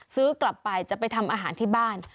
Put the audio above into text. ซื้อกลับไปจะไปทำอาหารที่บ้าน